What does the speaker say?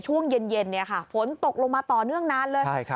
ช่วงเย็นฝนตกลงมาต่อเนื่องนานเลย